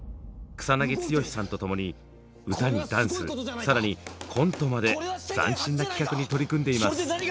草剛さんと共に歌にダンス更にコントまで斬新な企画に取り組んでいます。